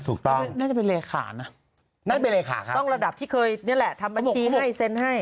ถูกต้องน่าจะเป็นเลขานะต้องระดับที่เคยนี่แหละทำบัญชีให้เซ็นให้